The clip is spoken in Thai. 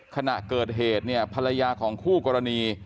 ขณะเกิดเหตุเนี่ยภรรยาของคู่กรณี